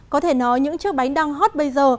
có thể nói những chiếc bánh đang hot bây giờ